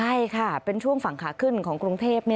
ใช่ค่ะเป็นช่วงฝั่งขาขึ้นของกรุงเทพ